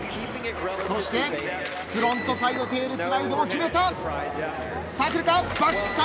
そしてフロントサイドテールスライドも決めた！